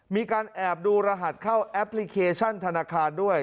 มีการแอบดูรหัสเข้าแอปพลิเคชันธนาคารด้วย